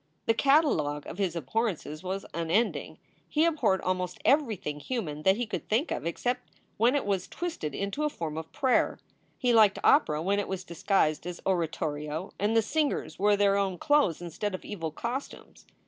The catalogue of his abhorrences was unending. He abhorred almost everything human that he could think of except when it was twisted into a form of prayer. He liked opera when it was disguised as oratorio and the singers wore their own clothes instead of evil costumes.